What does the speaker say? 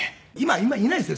今いないですね